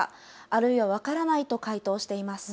あるいは分からないと回答しています。